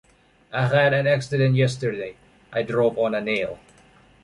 I had an accident yesterday, I drove on a nail.